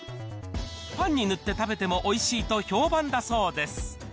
パンに塗って食べてもおいしいと評判だそうです。